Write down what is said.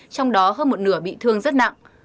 trong đó hơn một nửa bị thương rất nặng